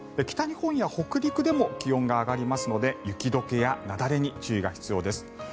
北日本や北陸でも気温が上がりますので雪解けや雪崩に注意が必要です。